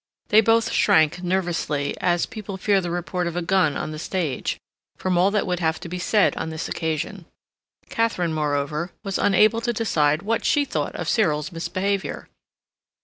They both shrank, nervously, as people fear the report of a gun on the stage, from all that would have to be said on this occasion. Katharine, moreover, was unable to decide what she thought of Cyril's misbehavior.